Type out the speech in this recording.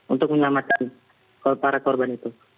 untuk menyelamatkan para korban itu